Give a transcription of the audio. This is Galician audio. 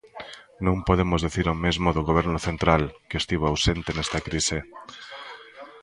Non podemos dicir o mesmo do Goberno central, que estivo ausente nesta crise.